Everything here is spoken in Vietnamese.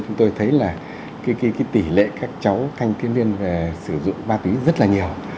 chúng tôi thấy là tỷ lệ các cháu thanh thiếu niên sử dụng ba túy rất là nhiều